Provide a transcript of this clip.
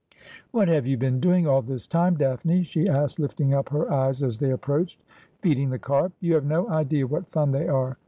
'What have you been doing all this time, Daphne?' she asked, lifting up her eyes as they approached. ' Feeding the carp. You have no idea what fun they are.'